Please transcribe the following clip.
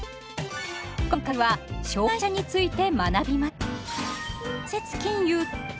今回は「証券会社」について学びます。